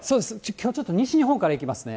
きょうちょっと西日本からいきますね。